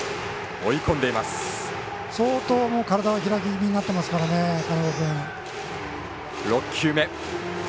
相当体が開き気味になってますからね、金子君。